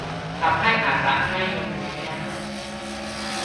ทำให้อาจจะให้นมบุตรไม่ได้